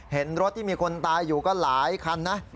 เห็นรถที่มีคนตายอยู่ก็หลายคันนะ